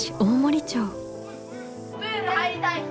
プール入りたい人？